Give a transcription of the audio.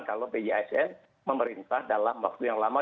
kalau bisn memerintah dalam waktu yang lama